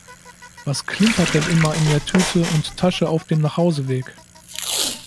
Was klimpert denn immer in der Tüte und Tasche auf dem Nachhauseweg?